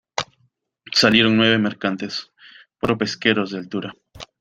salieron nueve mercantes, cuatro pesqueros de altura